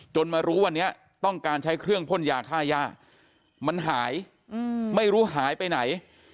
มารู้วันนี้ต้องการใช้เครื่องพ่นยาฆ่าย่ามันหายไม่รู้หายไปไหน